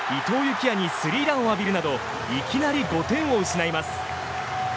季也にスリーランを浴びるなどいきなり５点を失います。